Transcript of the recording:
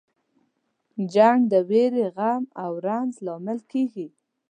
جنګ د ویرې، غم او رنج لامل کیږي.